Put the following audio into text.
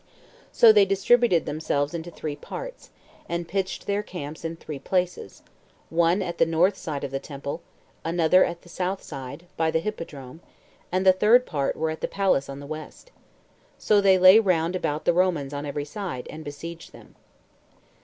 So they distributed themselves into three parts, and pitched their camps in three places; one at the north side of the temple, another at the south side, by the Hippodrome, and the third part were at the palace on the west. So they lay round about the Romans on every side, and besieged them.